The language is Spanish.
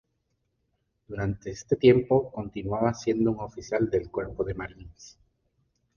Durante este tiempo, continuaba siendo un oficial del Cuerpo de Marines.